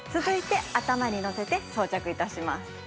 続いて頭にのせて装着いたします。